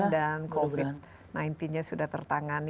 dan covid sembilan belas nya sudah tertangani